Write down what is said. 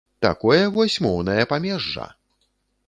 Такое вось моўнае памежжа!